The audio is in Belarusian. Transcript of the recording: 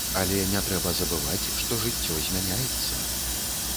Але не трэба забываць, што жыццё змяняецца.